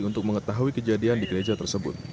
untuk mengetahui kejadian di gereja tersebut